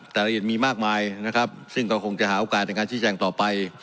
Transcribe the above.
รายละเอียดมีมากมายนะครับซึ่งก็คงจะหาโอกาสในการชี้แจงต่อไป